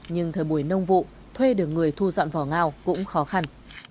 nhưng thời buổi nông vụ thuê được người thu dọn vỏ ngao cũng khó khăn